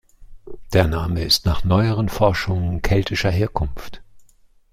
Der Name ist nach neueren Forschungen keltischer Herkunft.